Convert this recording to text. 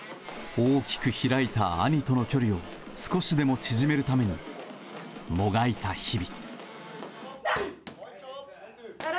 大きく開いた兄との距離を少しでも縮めるためにもがいた日々。